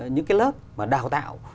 những cái lớp mà đào tạo